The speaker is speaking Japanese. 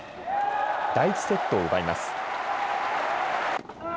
第１セットを奪います。